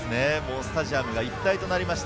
スタジアムが一体となりました。